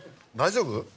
大丈夫？